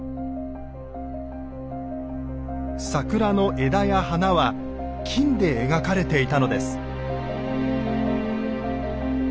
桜の枝や花は金で描かれていたのです。